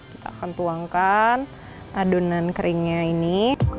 kita akan tuangkan adonan keringnya ini